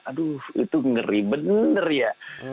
aduh itu ngeri bener ya